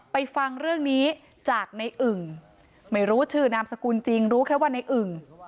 ฟังเรื่องนี้จากในอึ่งไม่รู้ชื่อนามสกุลจริงรู้แค่ว่าในอึ่ง